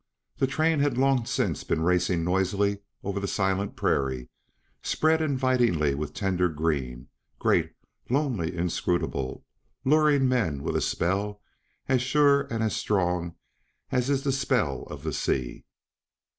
The train had long since been racing noisily over the silent prairies spread invitingly with tender green great, lonely, inscrutable, luring men with a spell as sure and as strong as is the spell of the sea.